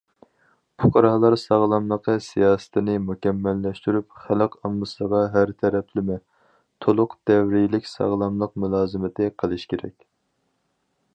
پۇقرالار ساغلاملىقى سىياسىتىنى مۇكەممەللەشتۈرۈپ، خەلق ئاممىسىغا ھەر تەرەپلىمە، تولۇق دەۋرىيلىك ساغلاملىق مۇلازىمىتى قىلىش كېرەك.